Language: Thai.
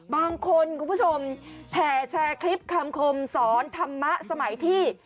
คุณผู้ชมแห่แชร์คลิปคำคมสอนธรรมะสมัยที่